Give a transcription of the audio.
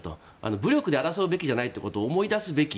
武力で争うべきじゃないということを思い出すべき。